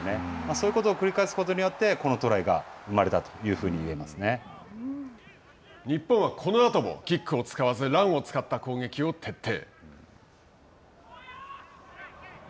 そういうことを繰り返すことによって、このトライが生まれたとい日本はこのあともキックを使わず、ランを使った攻撃を徹底。